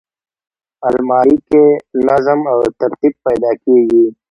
الماري کې نظم او ترتیب پیدا کېږي